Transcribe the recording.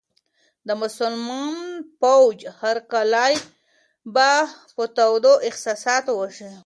د مسلمان فوج هرکلی به په تودو احساساتو وشي.